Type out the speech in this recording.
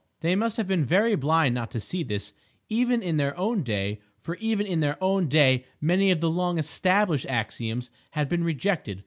They must have been very blind not to see this, even in their own day; for even in their own day many of the long "established" axioms had been rejected.